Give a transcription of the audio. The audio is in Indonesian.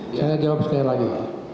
saya jawab sekali lagi